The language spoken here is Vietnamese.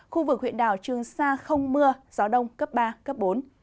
khu vực huyện đảo trường sa không mưa gió đông cấp ba cấp bốn